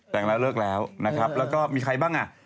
แต่งแล้วเลิกแล้วนะครับแล้วก็มีใครบ้างอ่ะ